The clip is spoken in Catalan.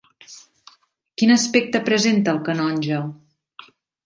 Quin aspecte presenta el canonge?